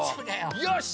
よし！